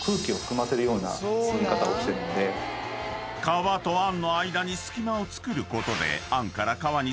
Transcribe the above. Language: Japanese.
［皮とあんの間に隙間を作ることで］